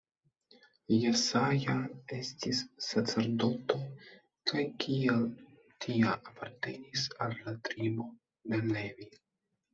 Jesaja estis sacerdoto kaj kiel tia apartenis al la tribo de Levi.